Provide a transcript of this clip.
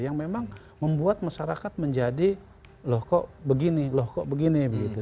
yang memang membuat masyarakat menjadi loh kok begini loh kok begini